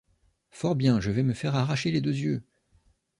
Fort bien : je vais me faire arracher les deux yeux !